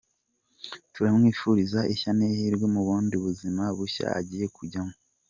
Turamwifuriza ishya n’ihirwe mu bundi buzima bushya agiye kujyamo.